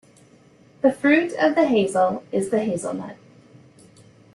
The fruit of the hazel is the hazelnut.